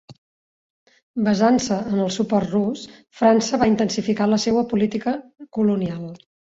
Basant-se en el suport Rus, França va intensificar la seua política colonial.